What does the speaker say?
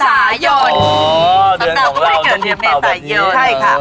สำนักคุณมันไม่เกิดจังเล่สายยนน